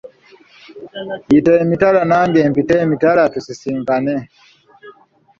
Yita emitala nange mpite emitala tusisinkane.